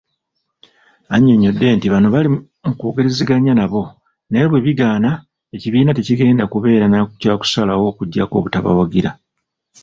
Anyonyodde nti bano bali mukwogerezeganya nabo naye bwebigaana, ekibiina tekigenda kubeera nakyakusalawo okuggyako obutabawagira.